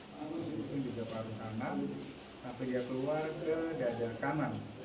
lalu sedikit juga paruh kanan sampai dia keluar ke dada kanan